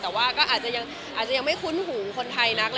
แต่ว่าก็อาจจะยังไม่คุ้นหูคนไทยนัก